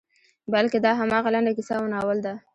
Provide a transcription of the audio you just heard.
بلکې دا همغه لنډه کیسه او ناول ده.